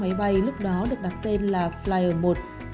một chiếc máy bay lúc đó được đặt tên là flyer một